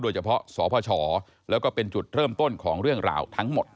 โดยเฉพาะสพชแล้วก็เป็นจุดเริ่มต้นของเรื่องราวทั้งหมด